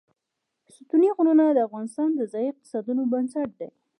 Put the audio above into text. ستوني غرونه د افغانستان د ځایي اقتصادونو بنسټ دی.